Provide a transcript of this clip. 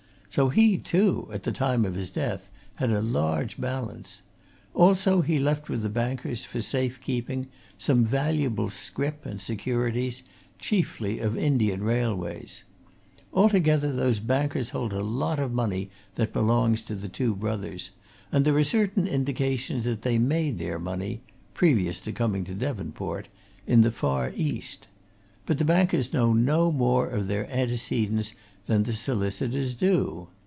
So he, too, at the time of his death, had a large balance; also, he left with the bankers, for safe keeping, some valuable scrip and securities, chiefly of Indian railways. Altogether, those bankers hold a lot of money that belongs to the two brothers, and there are certain indications that they made their money previous to coming to Devonport in the far East. But the bankers know no more of their antecedents than the solicitors do.